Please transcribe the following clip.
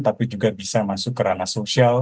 tapi juga bisa masuk ke ranah sosial